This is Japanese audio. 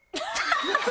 ハハハハ！